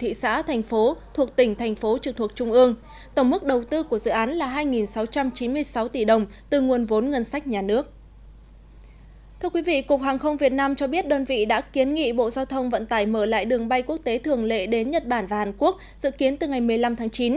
hàng không việt nam cho biết đơn vị đã kiến nghị bộ giao thông vận tải mở lại đường bay quốc tế thường lệ đến nhật bản và hàn quốc dự kiến từ ngày một mươi năm tháng chín